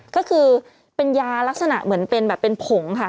ก็คือเป็นยาลักษณะเหมือนเป็นแบบเป็นผงค่ะ